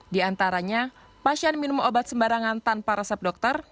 di antaranya pasien minum obat sembarangan tanpa resep dokter